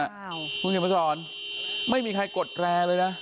ภูมิเดี๋ยวมาสอนไม่มีใครกดแรร์เลยนะ